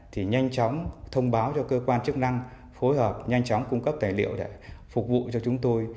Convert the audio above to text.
thì nhanh chóng thông báo cho cơ quan chức năng phối hợp nhanh chóng cung cấp tài liệu để phục vụ cho chúng tôi